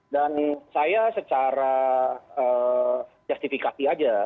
dan saya secara justifikasi aja